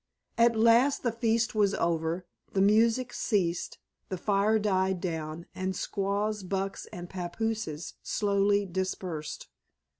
At last the feast was over, the music ceased, the fire died down, and squaws, bucks, and papooses slowly dispersed.